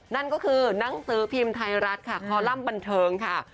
นั่นก็คือหนังสือพิมพ์ไทยรัฐค่ะคอลัมป์บันเทิงค่ะ